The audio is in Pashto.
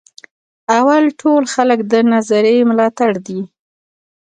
اول ډول خلک د نظریې ملاتړ دي.